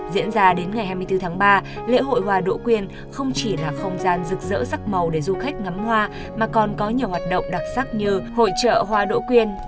diễn ra đến ngày hai mươi bốn tháng ba lễ hội hoa đỗ quyên không chỉ là không gian rực rỡ sắc màu để du khách ngắm hoa mà còn có nhiều hoạt động đặc sắc như hội trợ hoa đỗ quyên